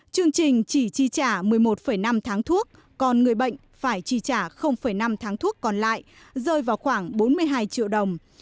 chương trình chỉ chi trả một mươi một năm tháng thuốc còn người bệnh phải chi trả năm tháng thuốc còn lại rơi vào khoảng bốn mươi hai triệu đồng